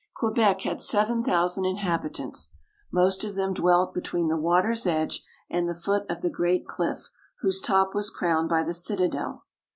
Quebec had seven thousand inhabitants. Most of them dwelt between the water's edge and the foot of the great cliff whose top was crowned by the citadel.